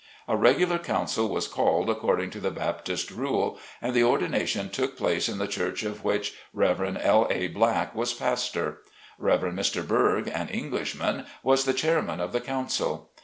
A regular council was called according to the Bap tist rule, and the ordination took place in the church of which Rev. L. A. Black was pastor. Rev. Mr. Burg, an Englishman, was the chairman of the council.